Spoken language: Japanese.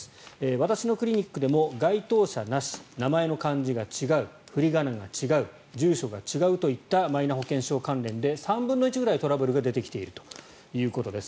私のクリニックでも該当者なし名前の漢字が違う振り仮名が違う住所が違うといったマイナ保険証関連で３分の１ぐらいがトラブルが出てきているということです。